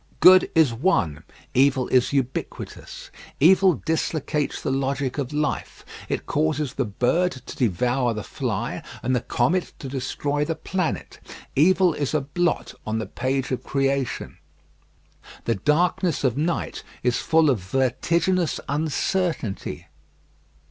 Good is one; evil is ubiquitous. Evil dislocates the logic of Life. It causes the bird to devour the fly and the comet to destroy the planet. Evil is a blot on the page of creation. The darkness of night is full of vertiginous uncertainty.